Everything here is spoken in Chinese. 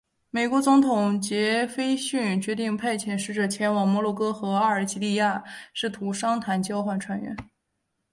美国总统杰斐逊决定派遣使者前往摩洛哥和阿尔及利亚试图商谈交换船员。